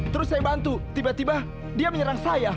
terus saya bantu tiba tiba dia menyerang saya